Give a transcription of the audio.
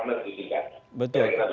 sambil terus awal medisikan